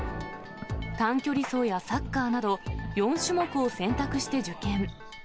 短距離走やサッカーなど、４種目を選択して受験。